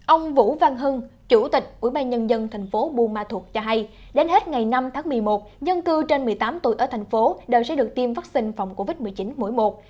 ông vũ văn hưng chủ tịch ubnd thành phố bu ma thuộc cho hay đến hết ngày năm tháng một mươi một nhân cư trên một mươi tám tuổi ở thành phố đều sẽ được tiêm vaccine phòng covid một mươi chín mỗi một